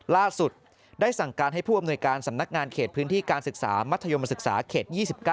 ล่าสุดได้สั่งการให้ผู้อำนวยการสำนักงานเขตพื้นที่การศึกษามัธยมศึกษาเขต๒๙